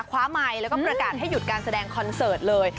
ไมค์แล้วก็ประกาศให้หยุดการแสดงคอนเสิร์ตเลย